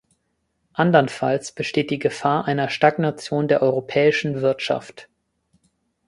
Andernfalls besteht die Gefahr einer Stagnation der europäischen Wirtschaft.